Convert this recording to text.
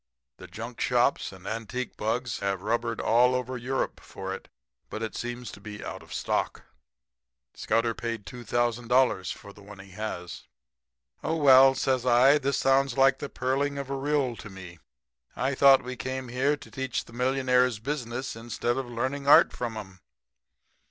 The junkshops and antique bugs have rubbered all Europe for it, but it seems to be out of stock. Scudder paid $2,000 for the one he has.' "'Oh, well,' says I, 'this sounds like the purling of a rill to me. I thought we came here to teach the millionaires business, instead of learning art from 'em?'